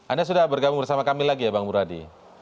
anda sudah bergabung bersama kami lagi ya bang muradi